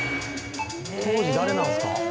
当時誰なんすか？